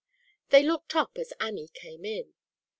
They looked up as Annie came in.